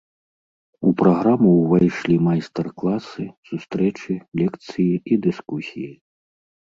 У праграму ўвайшлі майстар-класы, сустрэчы, лекцыі і дыскусіі.